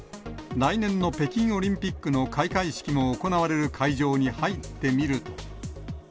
来年の北京オリンピックの開会式も行われる会場に入ってみると。